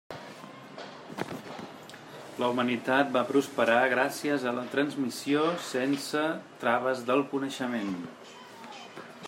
La humanitat va prosperar gràcies a la transmissió sense traves del coneixement.